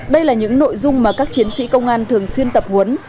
đây là những nội dung mà các chiến sĩ công an thường xuyên tập huấn